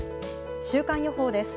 週間予報です。